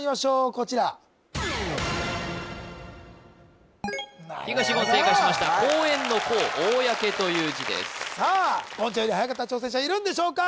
こちら東言正解しました公園の「公」公という字ですさあ言ちゃんよりはやかった挑戦者はいるんでしょうか？